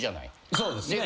そうですね。